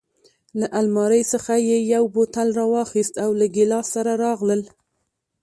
له المارۍ څخه یې یو بوتل راواخیست او له ګیلاس سره راغلل.